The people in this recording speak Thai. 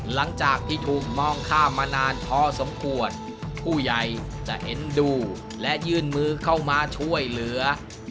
หลังจากที่ถูกมองข้ามมานานพอสมควรผู้ใหญ่จะเอ็นดูและยื่นมือเข้ามาช่วยเหลือ